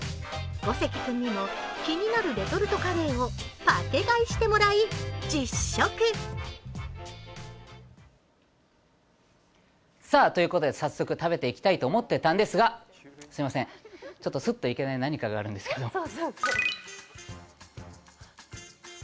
五関君にも、気になるレトルトカレーをパケ買いしてもらい、実食。ということで、早速食べていきたいと思ってたんですがすいません、すっといけない何かがあるんですけど。